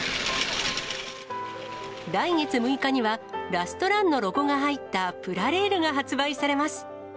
来月６日には、ラストランのロゴが入ったプラレールが発売されます。